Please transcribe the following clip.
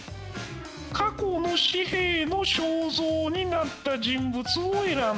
過去の紙幣の肖像になった人物を選んでください。